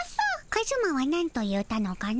カズマはなんと言うたのかの？